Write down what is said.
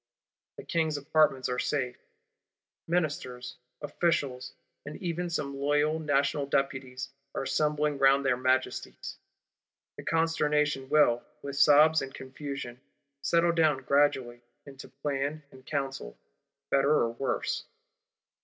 The King's Apartments are safe. Ministers, Officials, and even some loyal National deputies are assembling round their Majesties. The consternation will, with sobs and confusion, settle down gradually, into plan and counsel, better or worse.